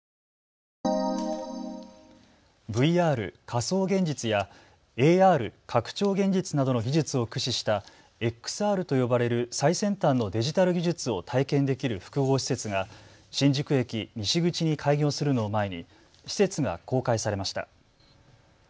ＶＲ・仮想現実やＡＲ・拡張現実などの技術を駆使したＸＲと呼ばれる最先端のデジタル技術を体験できる複合施設が新宿駅西口に開業するのを前に施設が公開されました。